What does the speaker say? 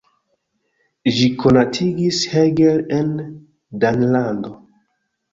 Ĝi konatigis Hegel en Danlando.